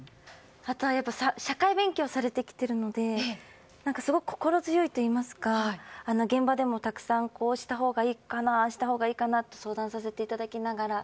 例えば社会勉強されてきているのですごく心強いといいますか現場でもたくさんこうしたほうがいいかなああしたほうがいいかなって相談させていただきながら。